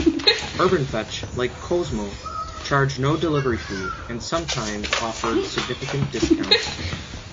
Urbanfetch, like Kozmo, charged no delivery fee and sometimes offered significant discounts.